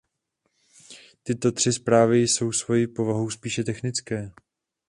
Tyto tři zprávy jsou svoji povahou spíše technické.